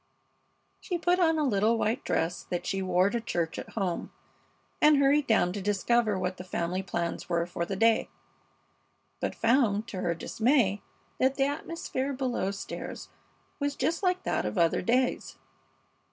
She put on a little white dress that she wore to church at home and hurried down to discover what the family plans were for the day, but found, to her dismay, that the atmosphere below stairs was just like that of other days.